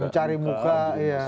mencari muka iya